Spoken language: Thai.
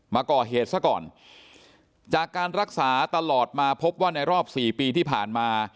มาก่อเหตุซะก่อนจากการรักษาตลอดมาพบว่าในรอบสี่ปีที่ผ่านมา